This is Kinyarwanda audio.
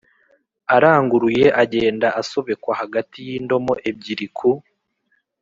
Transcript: aranguruye agenda asobekwa hagati y'indomo ebyiri ku